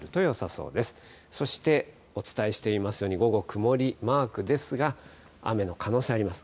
そして、お伝えしていますように、午後、曇りマークですが、雨の可能性あります。